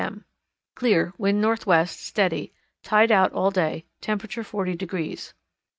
M. Clear; wind northwest, steady; tide out all day; temperature 40 degrees.